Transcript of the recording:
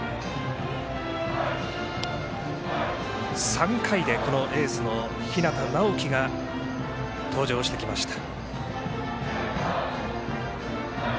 ３回でエースの日當直喜が登場してきました。